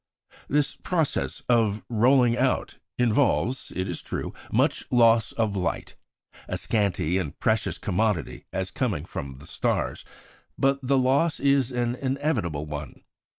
This process of rolling out involves, it is true, much loss of light a scanty and precious commodity, as coming from the stars; but the loss is an inevitable one.